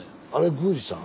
宮司さん！